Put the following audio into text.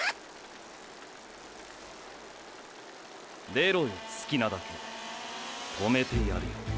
出ろよ好きなだけ。止めてやるよ。